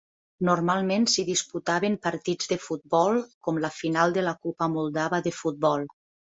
Normalment s'hi disputaven partits de futbol, com la final de la copa moldava de futbol.